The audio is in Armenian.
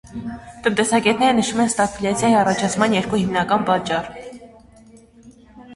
Տնտեսագետները նշում են ստագֆլյացիայի առաջացման երկու հիմնական պատճառ։